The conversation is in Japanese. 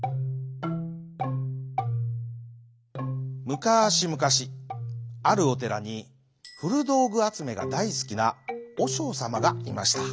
むかしむかしあるおてらにふるどうぐあつめがだいすきなおしょうさまがいました。